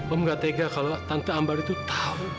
om gak tega kalau tante ambar itu tahu